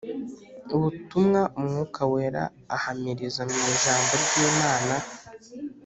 ubutumwa Umwuka Wera ahamiriza mu Ijambo ry'Imana.